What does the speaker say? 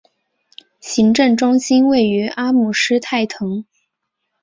行政中心位于阿姆施泰滕。